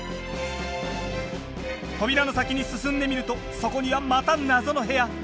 扉の先に進んでみるとそこにはまた謎の部屋。